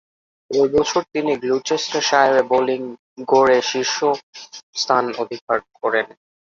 ঐ বছর তিনি গ্লুচেস্টারশায়ারের বোলিং গড়ে শীর্ষ স্থান অধিকার করেন।